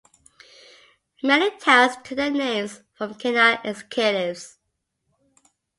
Many towns took their names from canal executives.